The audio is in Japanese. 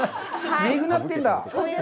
めぐなってるんだ？